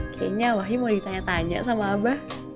kayaknya wahi mau ditanya tanya sama abah